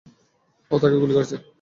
ও তাকে গুলি করেছে।